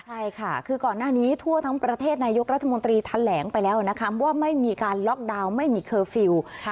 ใช่ค่ะคือก่อนหน้านี้ทั่วทั้งประเทศนายกรัฐมนตรีแถลงไปแล้วนะคะว่าไม่มีการล็อกดาวน์ไม่มีเคอร์ฟิลล์